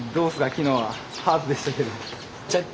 昨日はハードでしたけど。